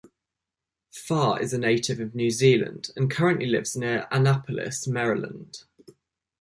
Farr is a native of New Zealand and currently lives near Annapolis, Maryland.